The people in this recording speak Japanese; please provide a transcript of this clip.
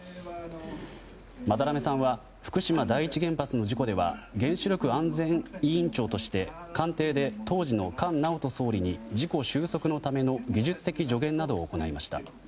班目さんは福島第一原発の事故では原子力安全委員長として官邸で当時の菅直人総理に事故収束のために技術的助言などを行いました。